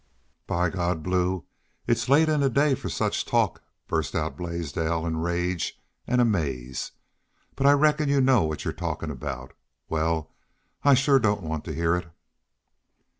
"By God, Blue! it's late in the day for such talk," burst out Blaisdell, in rage and amaze. "But I reckon y'u know what y'u're talkin' aboot.... Wal, I shore don't want to heah it."